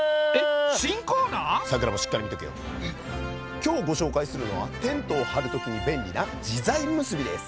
今日ご紹介するのはテントを張る時に便利な自在結びです。